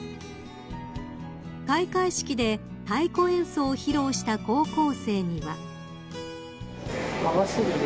［開会式で太鼓演奏を披露した高校生には］